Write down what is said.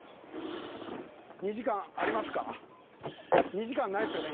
２時間ないっすよね？